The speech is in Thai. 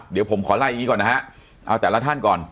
เดี๋ยวผมขอไล่อย่างนี้ก่อนนะฮะเอาแต่ละท่านก่อน